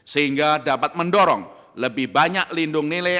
sehingga dapat mendorong lebih banyak lindung nilai